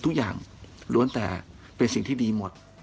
ทุกอย่างล้วนแต่เป็นสิ่งที่ดีหมด